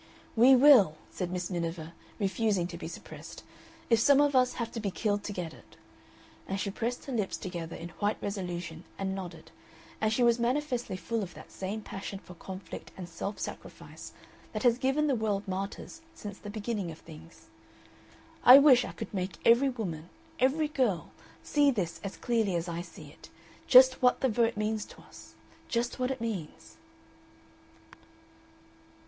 "We will," said Miss Miniver, refusing to be suppressed, "if some of us have to be killed to get it." And she pressed her lips together in white resolution and nodded, and she was manifestly full of that same passion for conflict and self sacrifice that has given the world martyrs since the beginning of things. "I wish I could make every woman, every girl, see this as clearly as I see it just what the Vote means to us. Just what it means...."